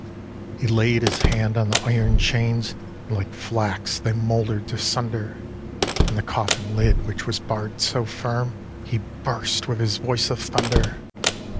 He laid his hand on the iron chains, And like flax they moulder'd asunder, And the coffin lid, which was barr'd so firm, He burst with his voice of thunder.